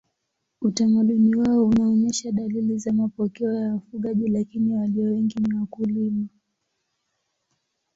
Utamaduni wao unaonyesha dalili za mapokeo ya wafugaji lakini walio wengi ni wakulima.